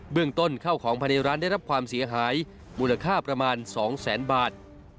เรื่องต้นข้าวของภายในร้านได้รับความเสียหายมูลค่าประมาณ๒แสนบาท